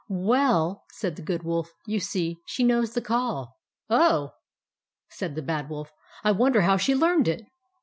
" Well," said the Good Wolf, " you see, she knows the Call." " Oh !" said the Bad Wolf. " I wonder how she learned it."